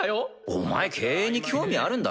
お前経営に興味あるんだろ？